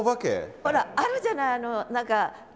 ほらあるじゃない！